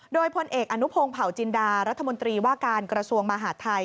โดยพลเอกอนุพงศ์เผาจินดารัฐมนตรีว่าการกระทรวงมหาดไทย